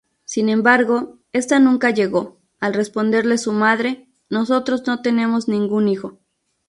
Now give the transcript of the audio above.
Sin embargo, esta nunca llegó, al responderle su madre: "Nosotros no tenemos ningún hijo".